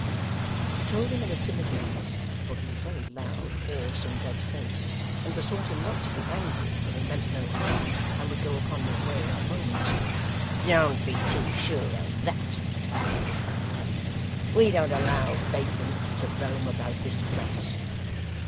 She told him in a timid manner, for he was very loud, hoarse, and red faced, and besought him not to be angry, for they meant no harm, and would go upon their way that moment. 'Don't be too sure of that,' replied the gentleman, 'we don't allow vagrants to roam about this place.